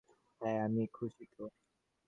হ্যাঁ, আমি খুশি তো!